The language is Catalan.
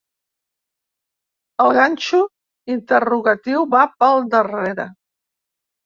El ganxo interrogatiu va pel darrera.